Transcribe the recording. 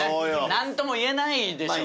何とも言えないでしょうね。